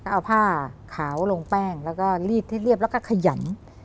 เอาผ้าขาวลงแป้งแล้วก็รีดให้เรียบแล้วก็ขยัน